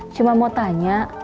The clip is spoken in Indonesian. cuma mau tanya